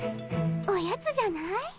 おやつじゃない？